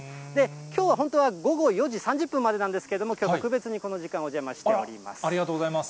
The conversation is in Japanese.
きょうは本当は午後４時３０分までなんですけれども、きょう特別に、この時間、お邪魔しております。